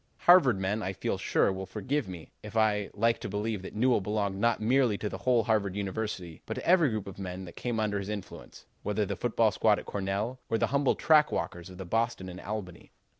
"Harvard men, I feel sure, will forgive me if I like to believe that Newell belonged not merely to the whole Harvard University, but to every group of men that came under his influence, whether the football squad at Cornell or the humble track walkers of the Boston and Albany.